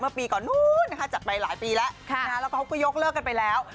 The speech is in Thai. เมื่อปีก่อนจัดไปหลายปีแล้วแล้วพวกเขาก็ยกเลิกกันไปแล้ว